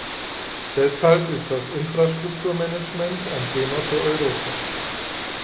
Deshalb ist das Infrastrukturmanagement ein Thema für Europa.